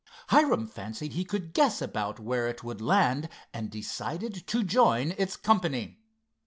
Hiram fancied he could guess about where it would land and decided to join its company.